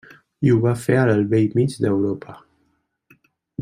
I ho va fer al bell mig d'Europa.